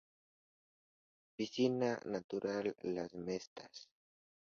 Piscina natural las Mestas